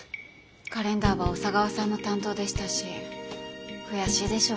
カレンダーは小佐川さんの担当でしたし悔しいでしょうね。